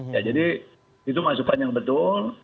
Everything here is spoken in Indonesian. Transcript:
ya jadi itu masukan yang betul